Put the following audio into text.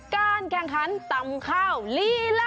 การแข่งขันตำข้าวลีลา